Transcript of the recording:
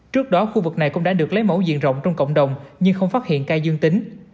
trước đó khu vực này cũng đã được lấy mẫu diện rộng trong cộng đồng nhưng không phát hiện ca dương tính